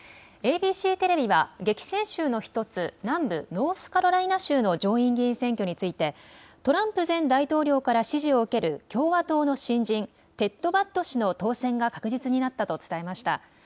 ＡＢＣテレビは激戦州の１つ、南部ノースカロライナ州の上院議員選挙についてトランプ前大統領から支持を受ける共和党の新人、テッド・バッド氏の当選が確実になったと伝えました。